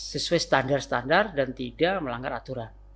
sesuai standar standar dan tidak melanggar aturan